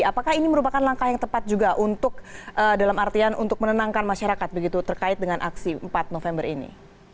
apakah ini merupakan langkah yang tepat juga untuk dalam artian untuk menenangkan masyarakat begitu terkait dengan aksi empat november ini